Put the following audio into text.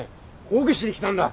抗議しに来たんだ！